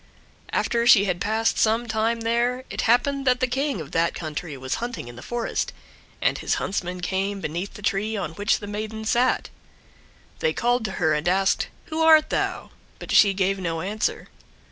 After she had passed some time there, it happened that the King of that country was hunting in the forest, and his huntsmen came beneath the tree on which the maiden sat. They called to her and asked, "Who art thou?" But she gave no answer.